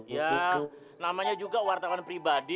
ya namanya juga wartawan pribadi